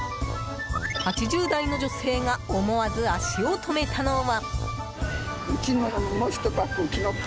８０代の女性が思わず足を止めたのは。